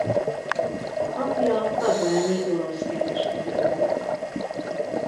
Apja kazáni orosz kereskedő volt.